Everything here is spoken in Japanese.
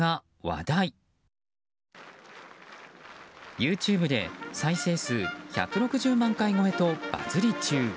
ＹｏｕＴｕｂｅで再生数１６０万回超えとバズり中。